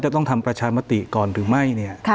จะต้องทำประชามติก่อนหรือไม่